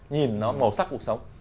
nhìn nó màu sắc cuộc sống